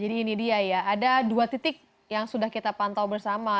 jadi ini dia ya ada dua titik yang sudah kita pantau bersama